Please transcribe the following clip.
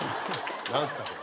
何すかそれ。